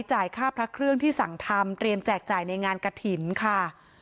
จ่ายค่าพระเครื่องที่สั่งทำเตรียมแจกจ่ายในงานกระถิ่นค่ะ